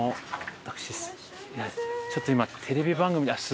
今テレビ番組で。